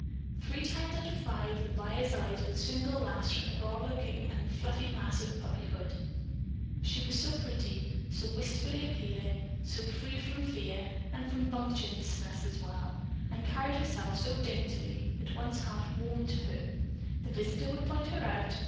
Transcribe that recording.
Three times out of five, the buyer's eye would single Lass from the rollicking and fluffy mass of puppyhood. She was so pretty, so wistfully appealing, so free from fear (and from bumptiousness as well) and carried herself so daintily, that one's heart warmed to her. The visitor would point her out.